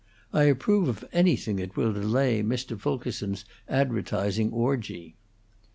I approve of anything that will delay Mr. Fulkerson's advertising orgie."